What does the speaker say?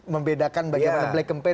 membedakan bagaimana black campaign